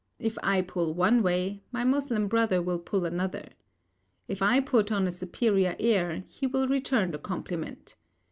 If I pull one way, my Moslem brother will pull another. If I put on a superior air, he will return the compliment.